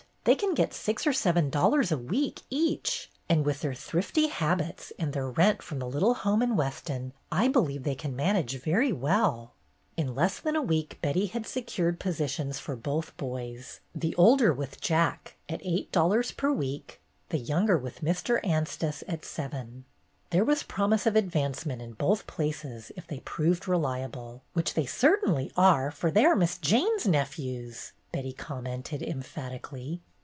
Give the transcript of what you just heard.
They can get six or seven dollars a week, each, and with their thrifty habits and the rent from their little home in Weston, I believe they can manage very well." In less than a week Betty had secured posi tions for both boys, the older with Jack, at 1 66 BETTY BAIRD'S GOLDEN YEAR eight dollars per week, and the younger with Mr. Anstice at seven. There was promise of advancement in both places if they proved reliable, "which they certainly are, for they are Miss Jane's nephews," Betty commented emphatically.